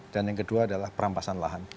dan yang kedua adalah perampasan lahan